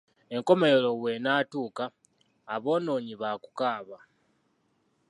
Enkomerero bw’enaatuuka, aboonoonyi baakukaaba.